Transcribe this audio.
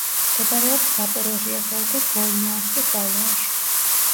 მდებარეობს ზაპოროჟიეს ოლქის ვოლნიანსკის რაიონში.